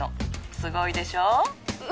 すごいでしょう？